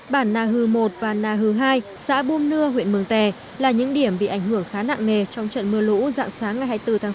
bản na hừ một và nà hừ hai xã bùm nưa huyện mường tè là những điểm bị ảnh hưởng khá nặng nề trong trận mưa lũ dạng sáng ngày hai mươi bốn tháng sáu